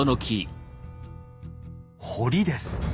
「堀」です。